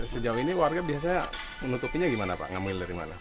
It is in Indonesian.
sejauh ini warga biasanya menutupinya gimana pak ngamul dari mana